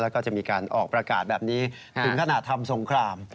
แล้วก็จะมีการออกประกาศแบบนี้ถึงขนาดทำสงคราม